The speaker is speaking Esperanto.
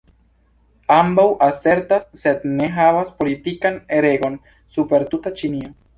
Ambaŭ asertas, sed ne havas, politikan regon super tuta Ĉinio.